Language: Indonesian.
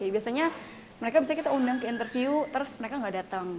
biasanya mereka bisa kita undang ke interview terus mereka nggak datang